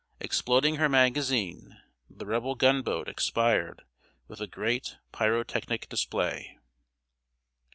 Exploding her magazine, the Rebel gunboat expired with a great pyrotechnic display.